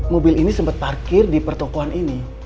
mobil ini sempat parkir di pertokohan ini